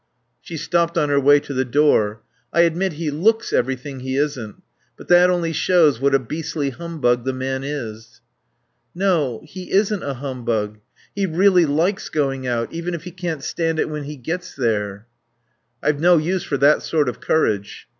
She stopped on her way to the door. "I admit he looks everything he isn't. But that only shows what a beastly humbug the man is." "No. He isn't a humbug. He really likes going out even if he can't stand it when he gets there." "I've no use for that sort of courage."